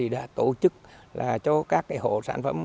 đã tổ chức cho các hộ sản phẩm